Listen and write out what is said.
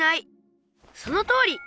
そのとおり！